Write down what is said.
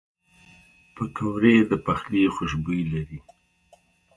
پکورې د پخلي خوشبویي لري